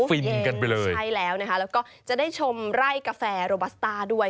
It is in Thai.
ฟินกันไปเลยใช่แล้วนะคะแล้วก็จะได้ชมไร่กาแฟโรบัสต้าด้วย